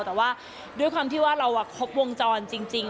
แต่ว่าด้วยความที่ว่าเราครบวงจรจริง